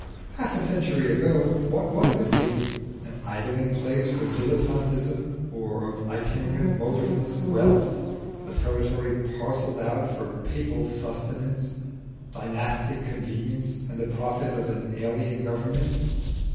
Half a century ago, what was Italy? An idling place of dilettanteism or of itinerant motiveless wealth, a territory parcelled out for papal sustenance, dynastic convenience, and the profit of an alien Government.